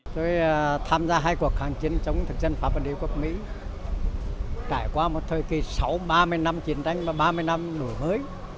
tôi tham gia hai cuộc kháng chiến chống thực dân pháp và đế quốc mỹ trải qua một thời kỳ sáu ba mươi năm chiến tranh và ba mươi năm nổi mới